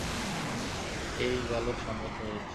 এই বালক সম্মত হয়েছে।